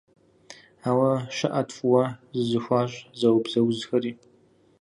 Ауэ щыӏэт фӏыуэ зызыхуащӏ, зэубзэ узхэри.